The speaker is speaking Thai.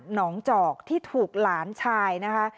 อกจอกที่ถูกหลานชายนะคะ